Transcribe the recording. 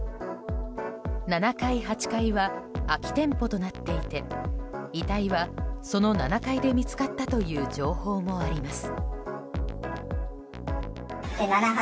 ７階、８階は空き店舗となっていて遺体は、その７階で見つかったという情報もあります。